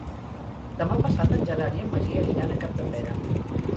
Demà passat en Gerard i en Magí aniran a Capdepera.